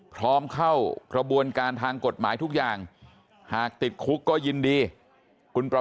พร้อมเข้ากระบวนการทางกฎหมายทุกอย่างหากติดคุกก็ยินดีคุณประ